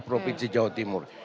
provinsi jawa timur